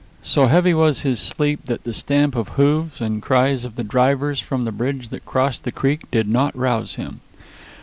So heavy was his sleep that the stamp of hoofs and cries of the drivers from the bridge that crossed the creek did not rouse him.